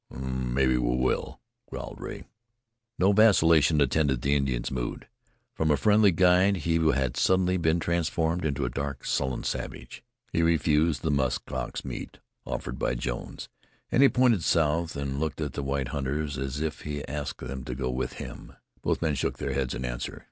"Mebbe we will," growled Rea. No vacillation attended the Indian's mood. From friendly guide, he had suddenly been transformed into a dark, sullen savage. He refused the musk ox meat offered by Jones, and he pointed south and looked at the white hunters as if he asked them to go with him. Both men shook their heads in answer.